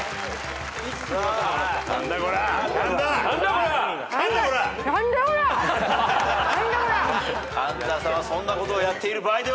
神田さんはそんなことをやっている場合ではない！